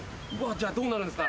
じゃあどうなるんですか？